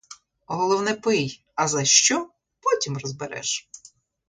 Головне пий, а за що — потім розбереш.